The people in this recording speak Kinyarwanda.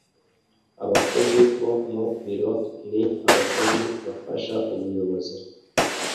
Abakozi bo mu biro ni abakozi bafasha ubuyobozi